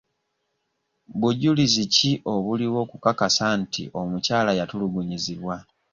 Bujulizi ki obuliwo obukakasa nti omukyala yatulugunyizibwa?